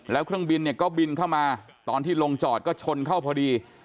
แล้วเครื่องบินเนี่ยก็บินเข้ามาตอนที่ลงจอดก็ชนเข้าพอดี